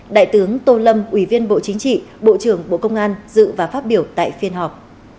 đại tướng tô lâm ủy viên bộ chính trị bộ trưởng bộ công an dự và phát biểu tại phiên họp